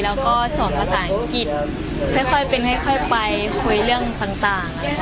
แล้วก็ส่วนภาษาอังกฤษค่อยไปคุยเรื่องต่างอย่างนี้ค่ะ